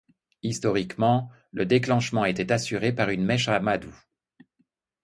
Historiquement, le déclenchement était assuré par une mèche à amadou.